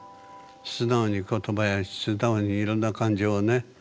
素直に言葉や素直にいろんな感情をね